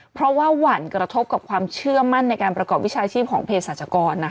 เพราะว่าหวั่นกระทบกับความเชื่อมั่นในการประกอบวิชาชีพของเพศรัชกร